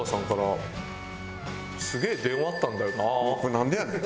なんでやねん。